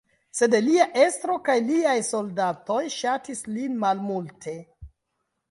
Sed lia estro kaj liaj soldatoj ŝatis lin malmulte.